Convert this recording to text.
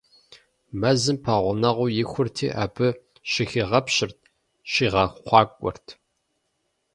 Мэзым пэгъунэгъуу ихурти, абы щыхигъэпщырт, щигъэхъуакӏуэрт.